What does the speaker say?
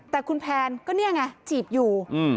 แต่คุณแพนก็เนี่ยไงจีบอยู่